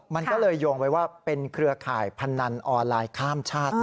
มันก็เลยโยงไว้ว่าเป็นเครือข่ายพนันออนไลน์ข้ามชาติ